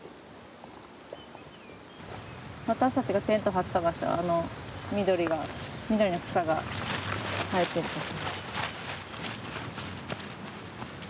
私たちがテント張った場所、あの緑の草が生えてる所。